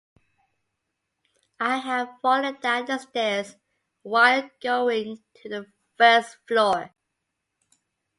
I have fallen down the stairs while going to the first floor.